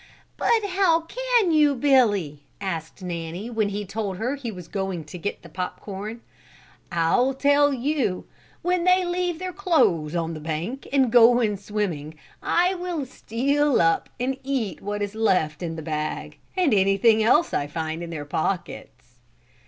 "But how can you, Billy?" asked Nanny, when he told her he was going to get the pop corn. "I'll tell you; when they leave their clothes on the bank and go in swimming I will steal up and eat what is left in the bag, and anything else I find in their pockets."